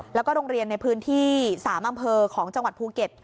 แล้วก็โรงเรียนในพื้นที่๓อำเภอของจังหวัดภูเก็ต